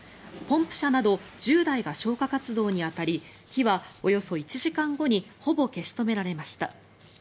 ポンプ車など１０台が消火活動に当たり火はおよそ１時間後にほぼ消し止められました。